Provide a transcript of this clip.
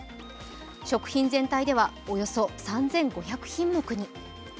食品全体ではおよそ３５００品目に。